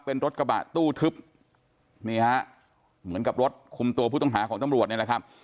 เป็นรถกระบะตู้ทึบนี่ฮะเหมือนกับรถคุมตัวผู้ต้องหาของตำรวจนี่แหละครับ